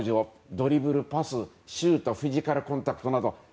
ドリブル、パス、シュートフィジカルコンタクトなど。